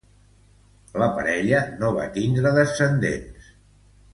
La parella no va tindre descendents.